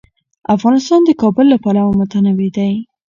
افغانستان د کابل له پلوه متنوع دی.